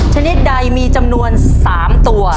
ชนิดใดมีจำนวน๓ตัว